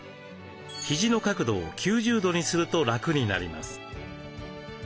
肘の角度を９０度にすると楽になります。